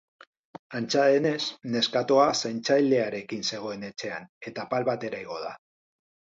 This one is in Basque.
Antza denez, neskatoa zaintzailearekin zegoen etxean, eta apal batera igo da.